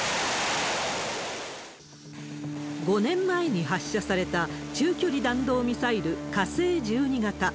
５年前に発射された中距離弾道ミサイル、火星１２型。